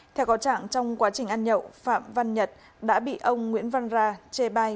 theo có trạng trong quá trình ăn nhậu phạm văn nhật đã bị ông nguyễn văn ra chê bai